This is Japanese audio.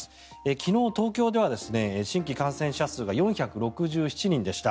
昨日、東京では新規感染者数が４６７人でした。